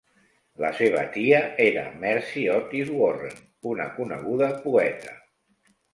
La seva tia era Mercy Otis Warren, una coneguda poeta.